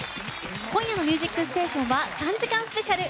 今夜の「ミュージックステーション」は３時間スペシャル。